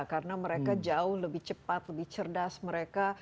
karena mereka jauh lebih cepat lebih cerdas mereka